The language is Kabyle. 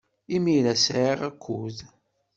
Imir-a, sɛiɣ akud.